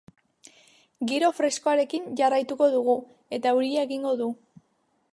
Giro freskoarekin jarraituko dugu, eta euria egingo du.